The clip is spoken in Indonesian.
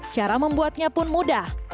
cara membuatnya pun mudah